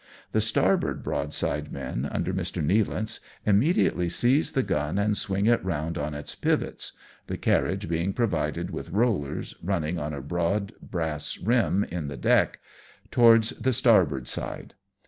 The starboard broadside men, under Mr. Nealance, immediately seize the gun and swing it round on its pivots (the carriage being provided with rollers, running on a broad brass rim in the deck) towards the starboard side.